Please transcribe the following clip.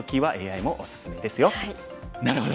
なるほど。